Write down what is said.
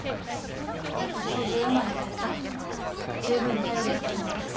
もっと操縦がうまい人やったら十分対応できたはずです。